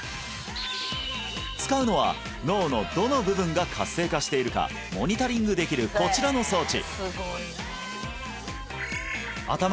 使うのは脳のどの部分が活性化しているかモニタリングできるこちらの装置